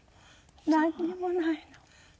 なんにもないの。